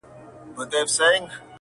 سرترنوکه ځان په زغره کي پېچلې -